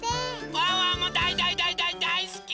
ワンワンもだいだいだいだいだいすき！